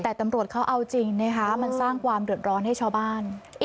แต่ตำรวจเขาเอาจริงนะคะมันสร้างความเดือดร้อนให้ชาวบ้าน